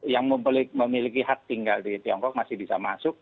yang memiliki hak tinggal di tiongkok masih bisa masuk